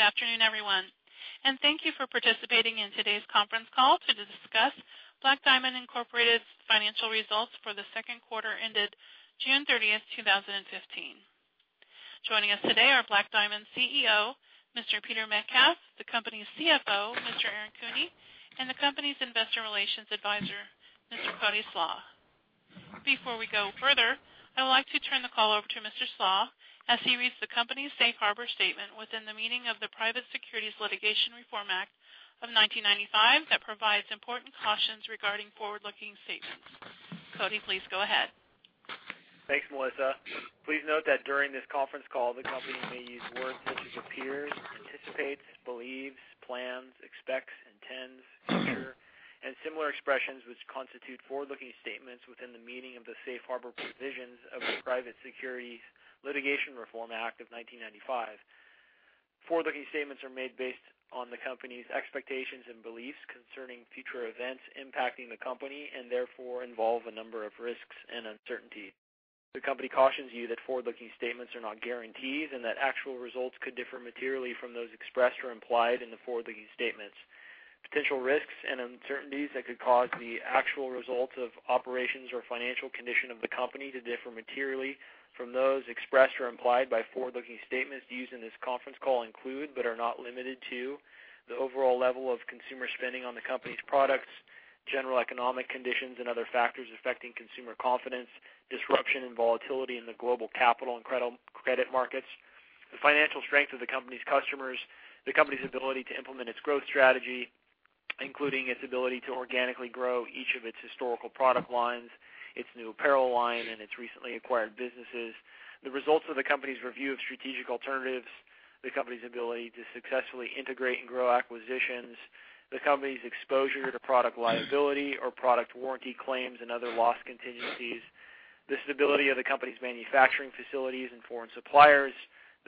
Good afternoon, everyone, and thank you for participating in today's conference call to discuss Black Diamond, Inc.'s financial results for the second quarter ended June 30th, 2015. Joining us today are Black Diamond CEO, Mr. Peter Metcalf, the company's CFO, Mr. Aaron Kuehne, and the company's Investor Relations Advisor, Mr. Cody Slach. Before we go further, I would like to turn the call over to Mr. Slach as he reads the company's safe harbor statement within the meaning of the Private Securities Litigation Reform Act of 1995 that provides important cautions regarding forward-looking statements. Cody, please go ahead. Thanks, Melissa. Please note that during this conference call, the company may use words such as appears, anticipates, believes, plans, expects, intends, future, and similar expressions which constitute forward-looking statements within the meaning of the safe harbor provisions of the Private Securities Litigation Reform Act of 1995. Forward-looking statements are made based on the company's expectations and beliefs concerning future events impacting the company and therefore involve a number of risks and uncertainties. The company cautions you that forward-looking statements are not guarantees and that actual results could differ materially from those expressed or implied in the forward-looking statements. Potential risks and uncertainties that could cause the actual results of operations or financial condition of the company to differ materially from those expressed or implied by forward-looking statements used in this conference call include, but are not limited to, the overall level of consumer spending on the company's products, general economic conditions and other factors affecting consumer confidence, disruption and volatility in the global capital and credit markets, the financial strength of the company's customers, the company's ability to implement its growth strategy, including its ability to organically grow each of its historical product lines, its new apparel line, and its recently acquired businesses. The results of the company's review of strategic alternatives, the company's ability to successfully integrate and grow acquisitions, the company's exposure to product liability or product warranty claims and other loss contingencies, the stability of the company's manufacturing facilities and foreign suppliers,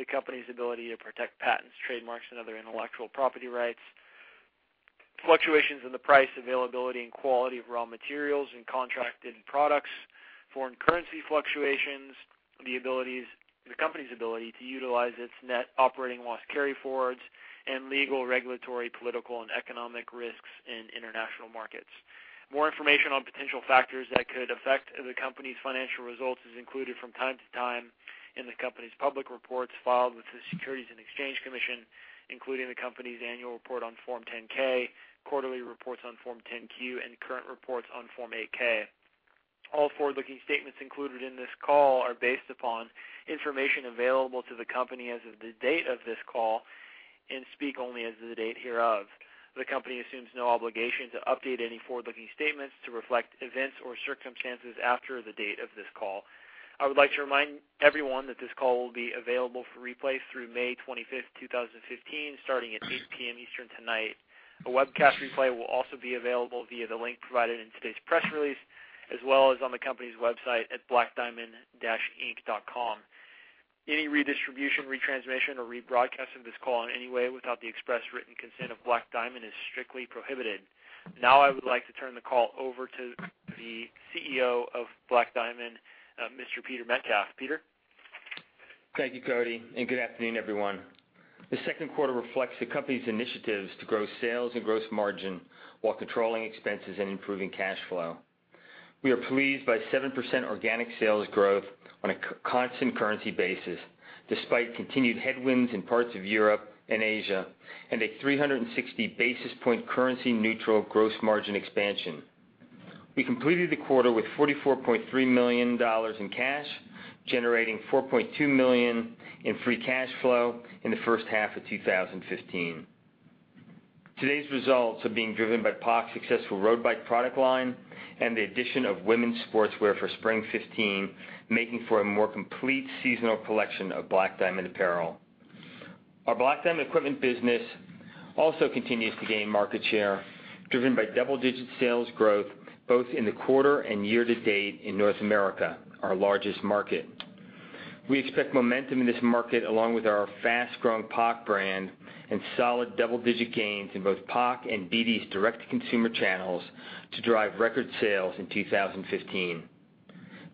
the company's ability to protect patents, trademarks, and other intellectual property rights, fluctuations in the price, availability, and quality of raw materials and contracted products, foreign currency fluctuations, the company's ability to utilize its net operating loss carryforwards, and legal, regulatory, political, and economic risks in international markets. More information on potential factors that could affect the company's financial results is included from time to time in the company's public reports filed with the Securities and Exchange Commission, including the company's annual report on Form 10-K, quarterly reports on Form 10-Q, and current reports on Form 8-K. All forward-looking statements included in this call are based upon information available to the company as of the date of this call and speak only as of the date hereof. The company assumes no obligation to update any forward-looking statements to reflect events or circumstances after the date of this call. I would like to remind everyone that this call will be available for replay through May 25th, 2015, starting at 8:00 P.M. Eastern tonight. A webcast replay will also be available via the link provided in today's press release, as well as on the company's website at blackdiamond-inc.com. Any redistribution, retransmission, or rebroadcast of this call in any way without the express written consent of Black Diamond is strictly prohibited. Now I would like to turn the call over to the CEO of Black Diamond, Mr. Peter Metcalf. Peter? Thank you, Cody, and good afternoon, everyone. The second quarter reflects the company's initiatives to grow sales and gross margin while controlling expenses and improving cash flow. We are pleased by 7% organic sales growth on a constant currency basis, despite continued headwinds in parts of Europe and Asia and a 360-basis-point currency neutral gross margin expansion. We completed the quarter with $44.3 million in cash, generating $4.2 million in free cash flow in the first half of 2015. Today's results are being driven by POC's successful road bike product line and the addition of women's sportswear for spring 2015, making for a more complete seasonal collection of Black Diamond apparel. Our Black Diamond Equipment business also continues to gain market share, driven by double-digit sales growth both in the quarter and year-to-date in North America, our largest market. We expect momentum in this market, along with our fast-growing POC brand and solid double-digit gains in both POC and BD's direct-to-consumer channels to drive record sales in 2015.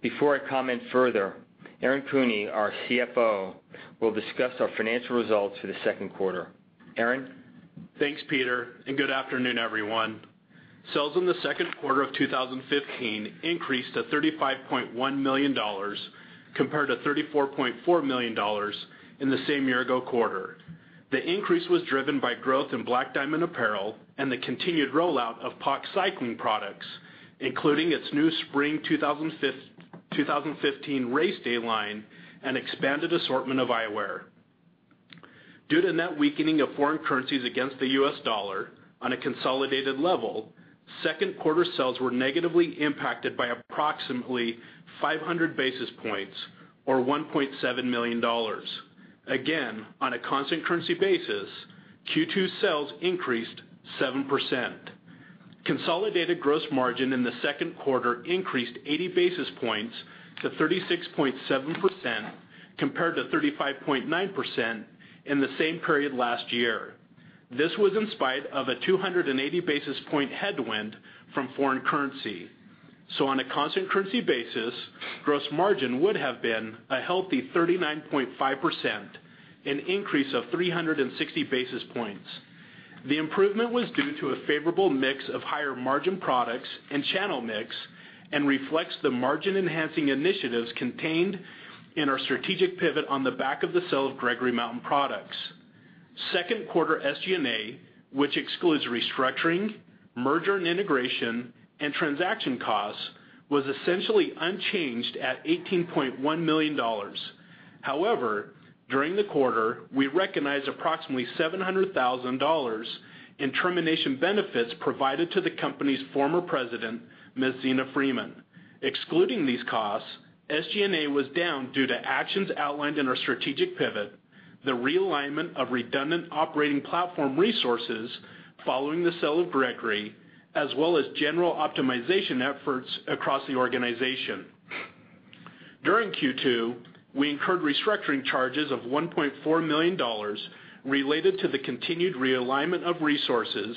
Before I comment further, Aaron Kuehne, our CFO, will discuss our financial results for the second quarter. Aaron? Thanks, Peter. Good afternoon, everyone. Sales in the second quarter of 2015 increased to $35.1 million compared to $34.4 million in the same year-ago quarter. The increase was driven by growth in Black Diamond apparel and the continued rollout of POC cycling products, including its new Spring 2015 Race Day line and expanded assortment of eyewear. Due to net weakening of foreign currencies against the U.S. dollar on a consolidated level, second quarter sales were negatively impacted by approximately 500 basis points or $1.7 million. On a constant currency basis, Q2 sales increased 7%. Consolidated gross margin in the second quarter increased 80 basis points to 36.7% compared to 35.9% in the same period last year. This was in spite of a 280-basis-point headwind from foreign currency. On a constant currency basis, gross margin would have been a healthy 39.5%, an increase of 360 basis points. The improvement was due to a favorable mix of higher margin products and channel mix, and reflects the margin-enhancing initiatives contained in our strategic pivot on the back of the sale of Gregory Mountain Products. Second quarter SG&A, which excludes restructuring, merger and integration, and transaction costs, was essentially unchanged at $18.1 million. During the quarter, we recognized approximately $700,000 in termination benefits provided to the company's former President, Ms. Zeena Freeman. Excluding these costs, SG&A was down due to actions outlined in our strategic pivot, the realignment of redundant operating platform resources following the sale of Gregory, as well as general optimization efforts across the organization. During Q2, we incurred restructuring charges of $1.4 million related to the continued realignment of resources,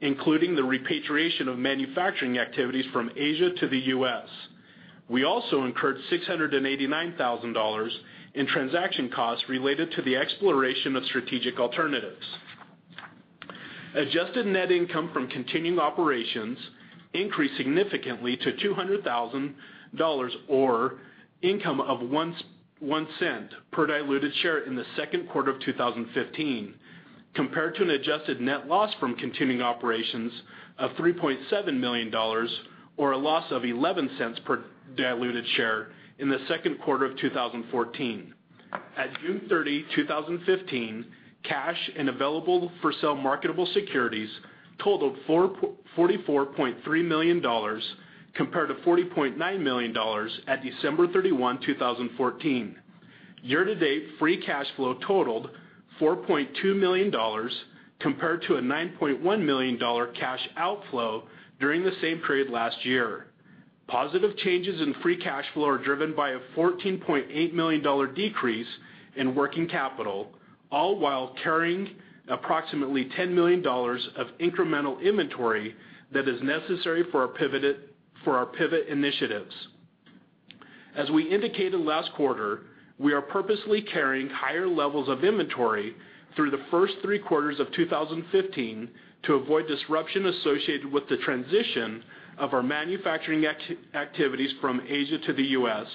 including the repatriation of manufacturing activities from Asia to the U.S. We also incurred $689,000 in transaction costs related to the exploration of strategic alternatives. Adjusted net income from continuing operations increased significantly to $200,000, or income of $0.01 per diluted share in the second quarter of 2015, compared to an adjusted net loss from continuing operations of $3.7 million, or a loss of $0.11 per diluted share in the second quarter of 2014. At June 30, 2015, cash and available for sale marketable securities totaled $44.3 million, compared to $40.9 million at December 31, 2014. Year-to-date free cash flow totaled $4.2 million, compared to a $9.1 million cash outflow during the same period last year. Positive changes in free cash flow are driven by a $14.8 million decrease in working capital, all while carrying approximately $10 million of incremental inventory that is necessary for our pivot initiatives. As we indicated last quarter, we are purposely carrying higher levels of inventory through the first three quarters of 2015 to avoid disruption associated with the transition of our manufacturing activities from Asia to the U.S.,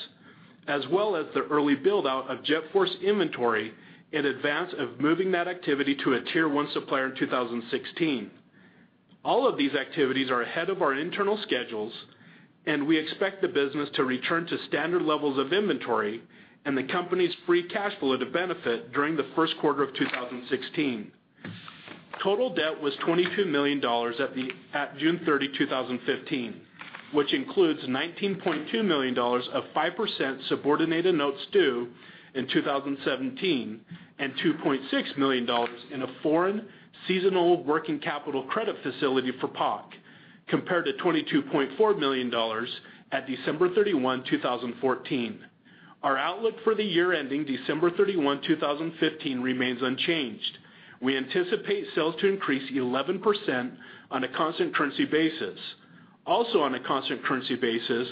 as well as the early build-out of JetForce inventory in advance of moving that activity to a tier one supplier in 2016. All of these activities are ahead of our internal schedules, and we expect the business to return to standard levels of inventory and the company's free cash flow to benefit during the first quarter of 2016. Total debt was $22 million at June 30, 2015, which includes $19.2 million of 5% subordinated notes due in 2017, and $2.6 million in a foreign seasonal working capital credit facility for POC, compared to $22.4 million at December 31, 2014. Our outlook for the year ending December 31, 2015, remains unchanged. We anticipate sales to increase 11% on a constant currency basis. Also on a constant currency basis,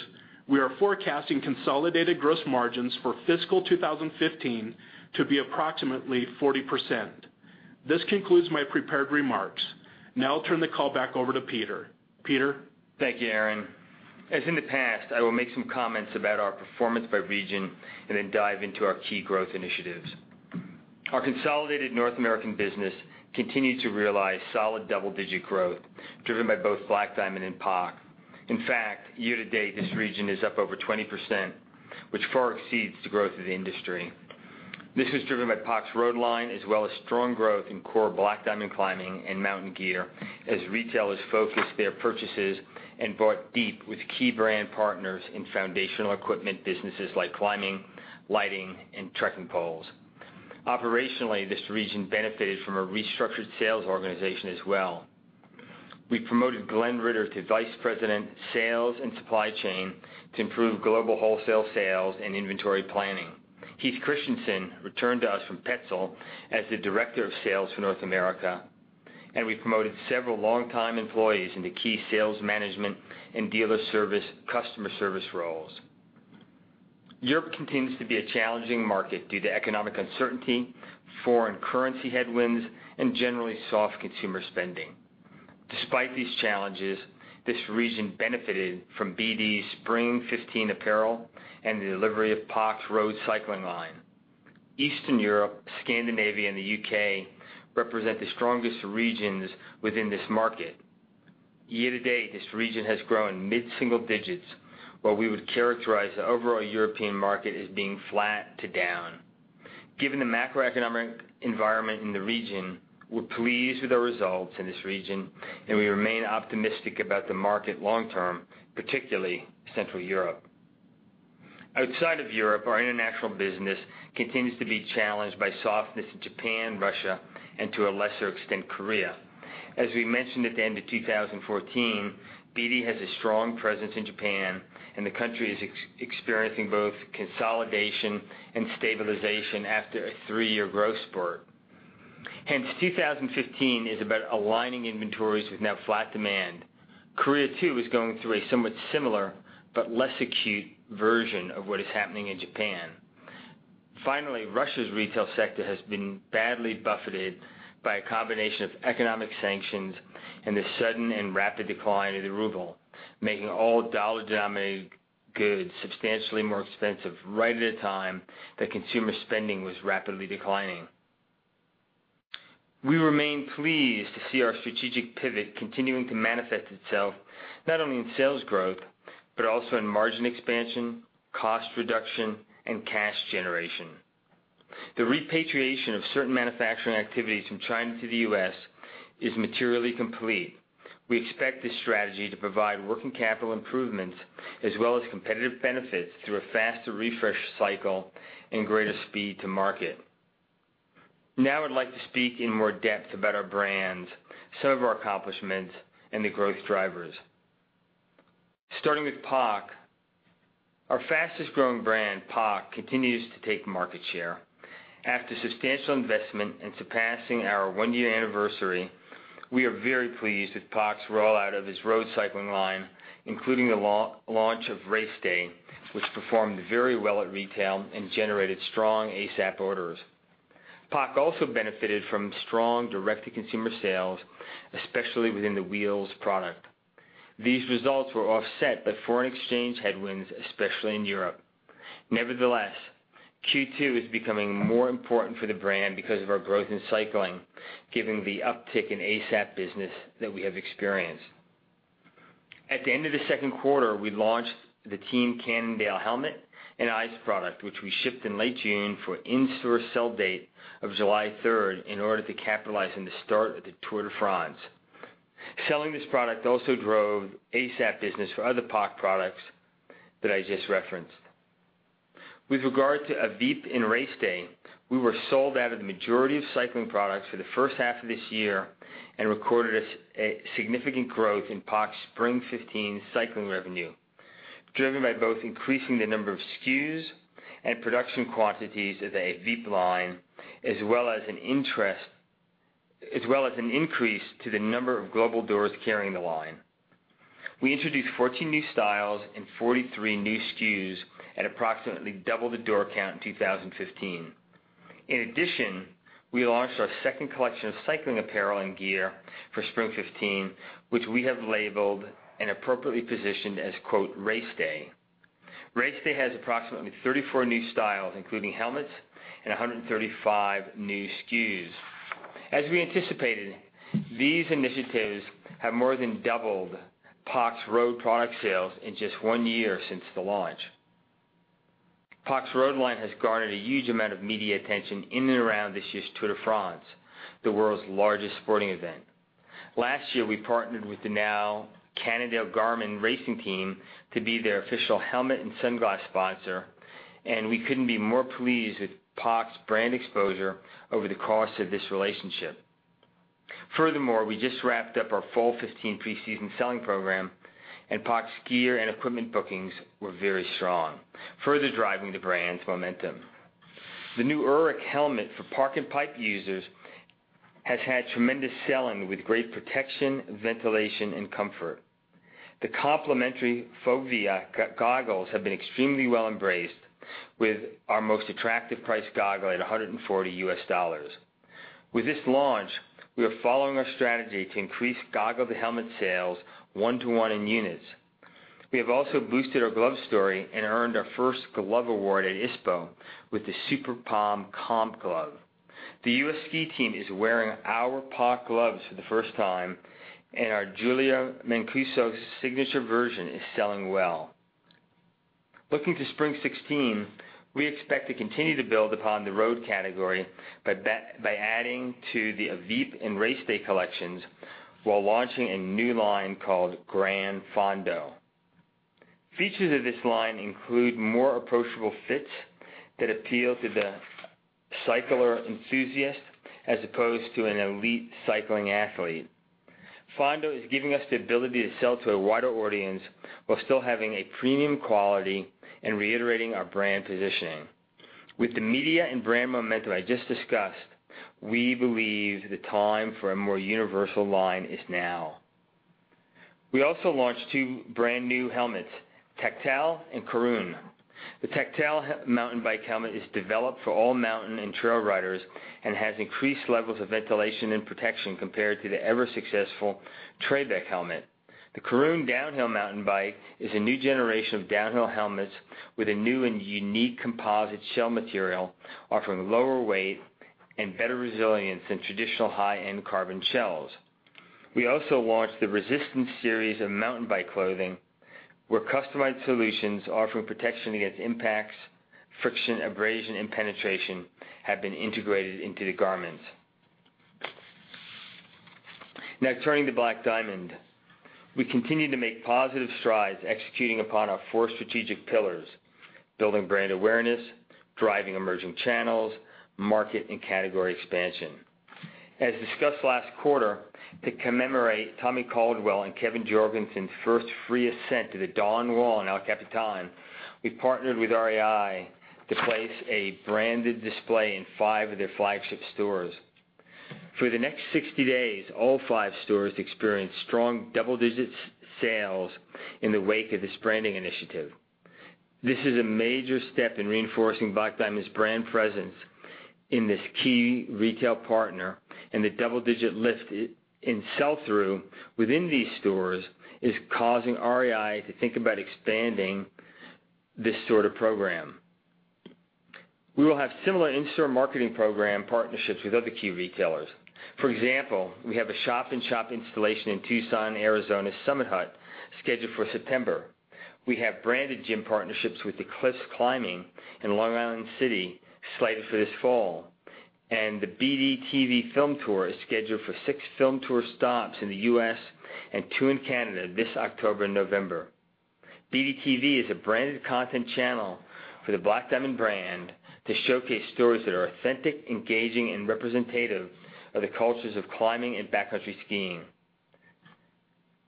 we are forecasting consolidated gross margins for fiscal 2015 to be approximately 40%. This concludes my prepared remarks. Now I'll turn the call back over to Peter. Peter? Thank you, Aaron. As in the past, I will make some comments about our performance by region and then dive into our key growth initiatives. Our consolidated North American business continued to realize solid double-digit growth driven by both Black Diamond and POC. In fact, year-to-date, this region is up over 20%, which far exceeds the growth of the industry. This was driven by POC's road line, as well as strong growth in core Black Diamond climbing and mountain gear, as retailers focused their purchases and bought deep with key brand partners in foundational equipment businesses like climbing, lighting, and trekking poles. Operationally, this region benefited from a restructured sales organization as well. We promoted Glenn Ritter to Vice President, Sales and Supply Chain to improve global wholesale sales and inventory planning. Heath Christensen returned to us from Petzl as the Director of Sales for North America. We promoted several longtime employees into key sales management and dealer service, customer service roles. Europe continues to be a challenging market due to economic uncertainty, foreign currency headwinds, and generally soft consumer spending. Despite these challenges, this region benefited from BD's spring 2015 apparel and the delivery of POC's road cycling line. Eastern Europe, Scandinavia, and the U.K. represent the strongest regions within this market. Year-to-date, this region has grown mid-single digits, while we would characterize the overall European market as being flat to down. Given the macroeconomic environment in the region, we're pleased with the results in this region. We remain optimistic about the market long-term, particularly Central Europe. Outside of Europe, our international business continues to be challenged by softness in Japan, Russia, and to a lesser extent, Korea. As we mentioned at the end of 2014, BD has a strong presence in Japan, and the country is experiencing both consolidation and stabilization after a three-year growth spurt. Hence, 2015 is about aligning inventories with now flat demand. Korea, too, is going through a somewhat similar but less acute version of what is happening in Japan. Russia's retail sector has been badly buffeted by a combination of economic sanctions and the sudden and rapid decline of the ruble, making all dollar-denominated goods substantially more expensive right at a time that consumer spending was rapidly declining. We remain pleased to see our strategic pivot continuing to manifest itself not only in sales growth, but also in margin expansion, cost reduction, and cash generation. The repatriation of certain manufacturing activities from China to the U.S. is materially complete. We expect this strategy to provide working capital improvements as well as competitive benefits through a faster refresh cycle and greater speed to market. I'd like to speak in more depth about our brands, some of our accomplishments, and the growth drivers. Starting with POC. Our fastest-growing brand, POC, continues to take market share. After substantial investment in surpassing our one-year anniversary, we are very pleased with POC's rollout of its road cycling line, including the launch of Race Day, which performed very well at retail and generated strong ASAP orders. POC also benefited from strong direct-to-consumer sales, especially within the Wheels product. These results were offset by foreign exchange headwinds, especially in Europe. Nevertheless, Q2 is becoming more important for the brand because of our growth in cycling, given the uptick in at-once business that we have experienced. At the end of the second quarter, we launched the Team Cannondale helmet and eyes product, which we shipped in late June for in-store sell date of July 3rd in order to capitalize on the start of the Tour de France. Selling this product also drove at-once business for other POC products that I just referenced. With regard to AVIP and Race Day, we were sold out of the majority of cycling products for the first half of this year and recorded a significant growth in POC's spring 2015 cycling revenue, driven by both increasing the number of SKUs and production quantities of the AVIP line, as well as an increase to the number of global doors carrying the line. We introduced 14 new styles and 43 new SKUs at approximately double the door count in 2015. In addition, we launched our second collection of cycling apparel and gear for spring 2015, which we have labeled and appropriately positioned as "Race Day." Race Day has approximately 34 new styles, including helmets and 135 new SKUs. As we anticipated, these initiatives have more than doubled POC's road product sales in just one year since the launch. POC's road line has garnered a huge amount of media attention in and around this year's Tour de France, the world's largest sporting event. Last year, we partnered with the now Cannondale-Garmin racing team to be their official helmet and sunglass sponsor, and we couldn't be more pleased with POC's brand exposure over the course of this relationship. We just wrapped up our fall 2015 preseason selling program, and POC's gear and equipment bookings were very strong, further driving the brand's momentum. The new Auric helmet for park and pipe users has had tremendous selling, with great protection, ventilation, and comfort. The complimentary Fovea goggles have been extremely well embraced, with our most attractive priced goggle at $140. With this launch, we are following our strategy to increase goggle-to-helmet sales 1:1 in units. We have also boosted our glove story and earned our first glove award at ISPO with the Super Palm Comp Glove. The U.S. Ski Team is wearing our POC gloves for the first time, and our Julia Mancuso signature version is selling well. Looking to spring 2016, we expect to continue to build upon the road category by adding to the AVIP and Race Day collections while launching a new line called Gran Fondo. Features of this line include more approachable fits that appeal to the cycler enthusiast as opposed to an elite cycling athlete. Fondo is giving us the ability to sell to a wider audience while still having a premium quality and reiterating our brand positioning. With the media and brand momentum I just discussed, we believe the time for a more universal line is now. We also launched two brand new helmets, Tectal and Coron. The Tectal mountain bike helmet is developed for all mountain and trail riders and has increased levels of ventilation and protection compared to the ever-successful Trabec helmet. The Coron downhill mountain bike is a new generation of downhill helmets with a new and unique composite shell material, offering lower weight and better resilience than traditional high-end carbon shells. We also launched the Resistance series of mountain bike clothing, where customized solutions offering protection against impacts, friction, abrasion, and penetration have been integrated into the garments. Turning to Black Diamond. We continue to make positive strides executing upon our four strategic pillars: building brand awareness, driving emerging channels, market, and category expansion. As discussed last quarter. To commemorate Tommy Caldwell and Kevin Jorgeson's first free ascent to the Dawn Wall on El Capitan, we partnered with REI to place a branded display in five of their flagship stores. For the next 60 days, all five stores experienced strong double-digit sales in the wake of this branding initiative. This is a major step in reinforcing Black Diamond's brand presence in this key retail partner, and the double-digit lift in sell-through within these stores is causing REI to think about expanding this sort of program. We will have similar in-store marketing program partnerships with other key retailers. For example, we have a shop-in-shop installation in Tucson, Arizona's Summit Hut scheduled for September. We have branded gym partnerships with The Cliffs at LIC in Long Island City slated for this fall, and the BDTV Film Tour is scheduled for six film tour stops in the U.S. and two in Canada this October and November. BDTV is a branded content channel for the Black Diamond brand to showcase stories that are authentic, engaging, and representative of the cultures of climbing and backcountry skiing.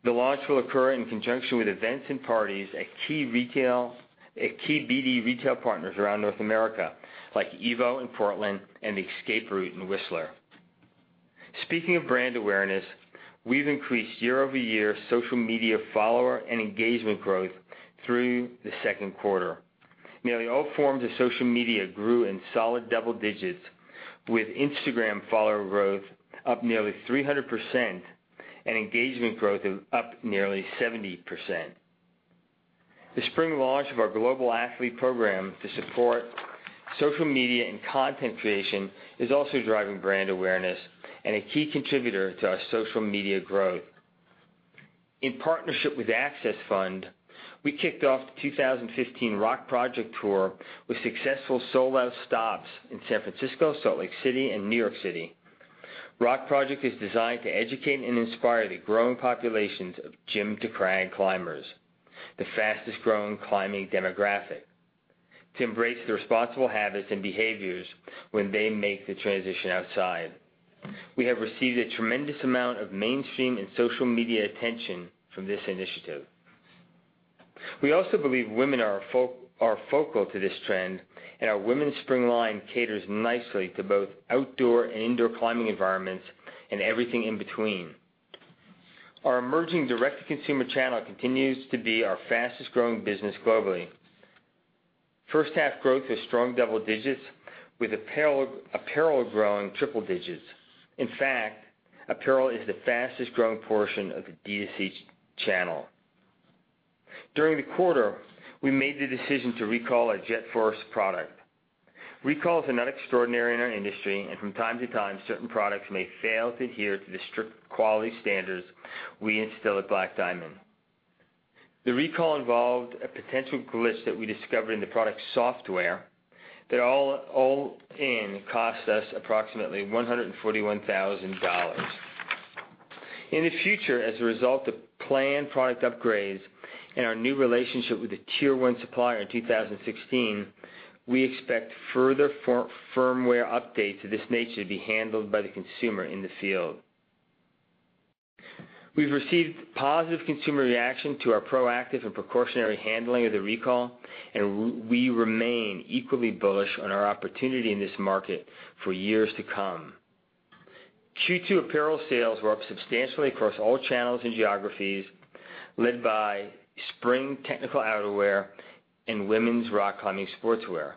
The launch will occur in conjunction with events and parties at key BD retail partners around North America, like evo in Portland and The Escape Route in Whistler. Speaking of brand awareness, we've increased year-over-year social media follower and engagement growth through the second quarter. Nearly all forms of social media grew in solid double digits, with Instagram follower growth up nearly 300% and engagement growth up nearly 70%. The spring launch of our Global Athlete Program to support social media and content creation is also driving brand awareness and a key contributor to our social media growth. In partnership with Access Fund, we kicked off the 2015 Rock Project tour with successful sold-out stops in San Francisco, Salt Lake City, and New York City. Rock Project is designed to educate and inspire the growing populations of gym-to-crag climbers, the fastest-growing climbing demographic, to embrace the responsible habits and behaviors when they make the transition outside. We have received a tremendous amount of mainstream and social media attention from this initiative. We also believe women are focal to this trend, our women's spring line caters nicely to both outdoor and indoor climbing environments and everything in between. Our emerging direct-to-consumer channel continues to be our fastest-growing business globally. First half growth was strong double digits, with apparel growing triple digits. In fact, apparel is the fastest-growing portion of the D2C channel. During the quarter, we made the decision to recall a JetForce product. Recalls are not extraordinary in our industry. From time to time, certain products may fail to adhere to the strict quality standards we instill at Black Diamond. The recall involved a potential glitch that we discovered in the product's software that all in cost us approximately $141,000. In the future, as a result of planned product upgrades and our new relationship with a tier one supplier in 2016, we expect further firmware updates of this nature to be handled by the consumer in the field. We've received positive consumer reaction to our proactive and precautionary handling of the recall. We remain equally bullish on our opportunity in this market for years to come. Q2 apparel sales were up substantially across all channels and geographies, led by spring technical outerwear and women's rock climbing sportswear,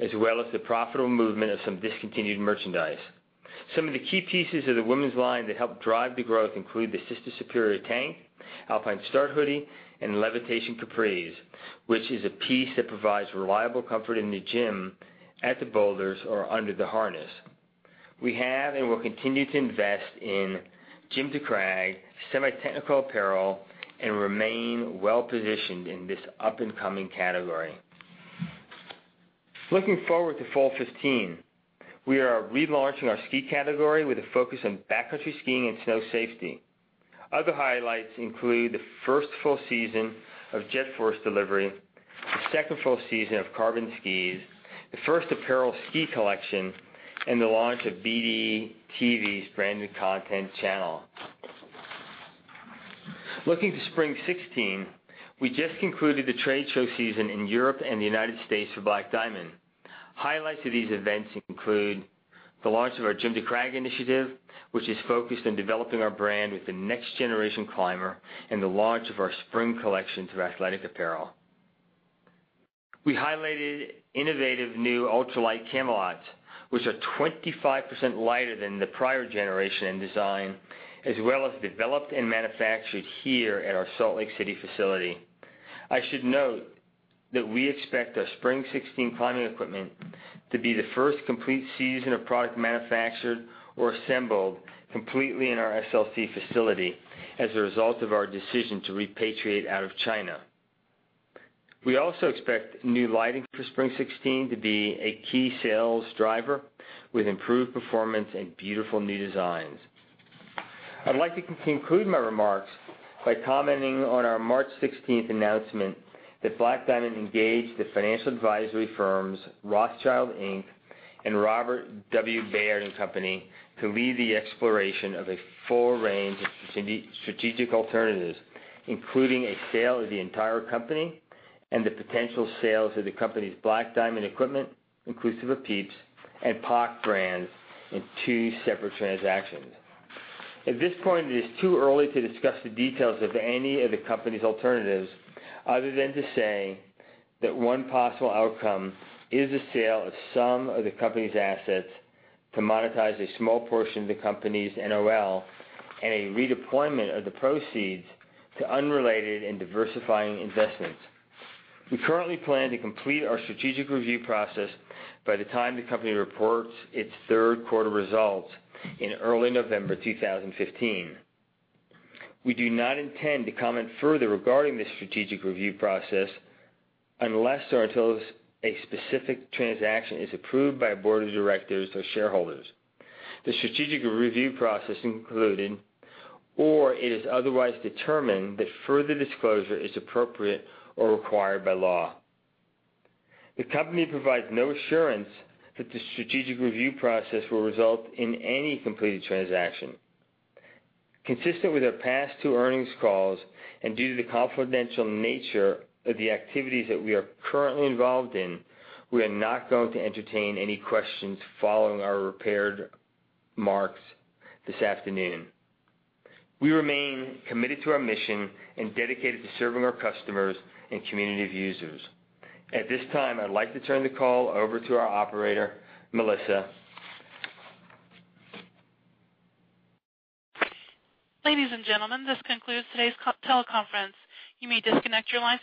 as well as the profitable movement of some discontinued merchandise. Some of the key pieces of the women's line that helped drive the growth include the Sister Superior Tank, Alpine Start Hoody, and Levitation Capris, which is a piece that provides reliable comfort in the gym, at the boulders, or under the harness. We have and will continue to invest in gym-to-crag semi-technical apparel and remain well-positioned in this up-and-coming category. Looking forward to fall 2015, we are relaunching our ski category with a focus on backcountry skiing and snow safety. Other highlights include the first full season of JetForce delivery, the second full season of Carbon skis, the first apparel ski collection, and the launch of BDTV's branded content channel. Looking to spring 2016, we just concluded the trade show season in Europe and the U.S. for Black Diamond. Highlights of these events include the launch of our gym-to-crag initiative, which is focused on developing our brand with the next-generation climber, and the launch of our spring collection through Athletic Apparel. We highlighted innovative new ultralight Camalots, which are 25% lighter than the prior generation and design, as well as developed and manufactured here at our Salt Lake City facility. I should note that we expect our spring 2016 climbing equipment to be the first complete season of product manufactured or assembled completely in our SLC facility as a result of our decision to repatriate out of China. We also expect new lighting for spring 2016 to be a key sales driver with improved performance and beautiful new designs. I'd like to conclude my remarks by commenting on our March 16, 2015 announcement that Black Diamond engaged the financial advisory firms Rothschild, Inc. and Robert W. Baird & Co. to lead the exploration of a full range of strategic alternatives, including a sale of the entire company and the potential sales of the company's Black Diamond Equipment, inclusive of PIEPS and POC brands, in two separate transactions. At this point, it is too early to discuss the details of any of the company's alternatives other than to say that one possible outcome is a sale of some of the company's assets to monetize a small portion of the company's NOL and a redeployment of the proceeds to unrelated and diversifying investments. We currently plan to complete our strategic review process by the time the company reports its third quarter results in early November 2015. We do not intend to comment further regarding this strategic review process unless or until a specific transaction is approved by a Board of Directors or shareholders. The strategic review process concluded, or it is otherwise determined that further disclosure is appropriate or required by law. The company provides no assurance that the strategic review process will result in any completed transaction. Consistent with our past two earnings calls and due to the confidential nature of the activities that we are currently involved in, we are not going to entertain any questions following our prepared remarks this afternoon. We remain committed to our mission and dedicated to serving our customers and community of users. At this time, I'd like to turn the call over to our operator, Melissa. Ladies and gentlemen, this concludes today's teleconference. You may disconnect your lines.